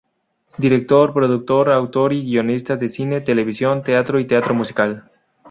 Director, productor, autor y guionista de cine, televisión, teatro y teatro musical.